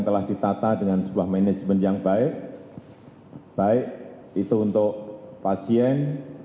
jokowi berharap rumah sakit ini tidak digunakan